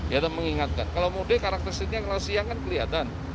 ya mengingatkan kalau mudik karakteristiknya kalau siang kan kelihatan